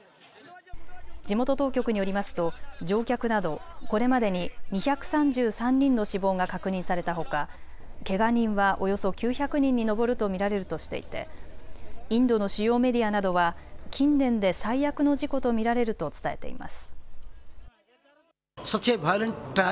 地元当局によりますと乗客などこれまでに２３３人の死亡が確認されたほか、けが人はおよそ９００人に上ると見られるとしていてインドの主要メディアなどは近年で最悪の事故と見られると伝えています。